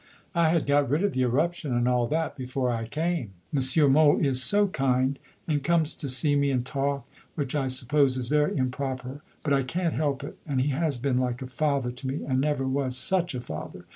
I had got rid of the eruption and all that before I came. M. Mohl is so kind and comes to see me and talk, which I suppose is very improper, but I can't help it, and he has been like a father to me and never was such a father!